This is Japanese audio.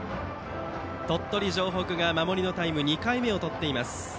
鳥取城北が守りのタイムの２回目をとっています。